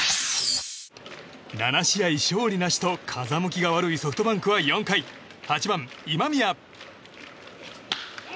７試合勝利なしと風向きが悪いソフトバンクは４回、８番、今宮。